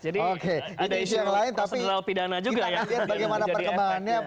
jadi ada isu yang sederhana juga ya